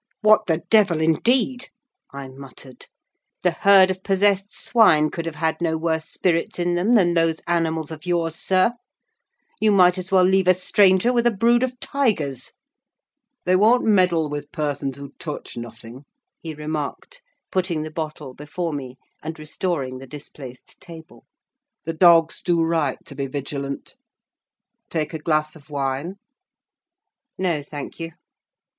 "What the devil, indeed!" I muttered. "The herd of possessed swine could have had no worse spirits in them than those animals of yours, sir. You might as well leave a stranger with a brood of tigers!" "They won't meddle with persons who touch nothing," he remarked, putting the bottle before me, and restoring the displaced table. "The dogs do right to be vigilant. Take a glass of wine?" "No, thank you."